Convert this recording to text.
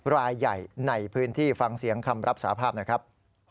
รายใหญ่ในพื้นที่ฟังเสียงคำรับสาภาพหน่อยครับ